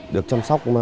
được chăm sóc